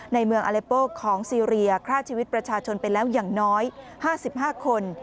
ในเมืองอเลโปของซีเรียฆ่าชีวิตประชาชนไปแล้วอย่างน้อย๕๕คน